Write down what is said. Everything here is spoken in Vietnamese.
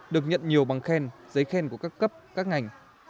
được nhận nhiều bằng khen giấy khen của các cấp các ngành